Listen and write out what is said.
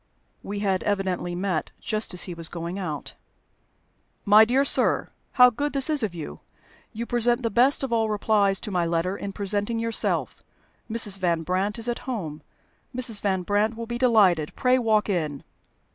We had evidently met just as he was going out. "My dear sir, how good this is of you! You present the best of all replies to my letter in presenting yourself. Mrs. Van Brandt is at home. Mrs. Van Brandt will be delighted. Pray walk in."